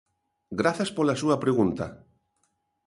Grazas pola súa pregunta.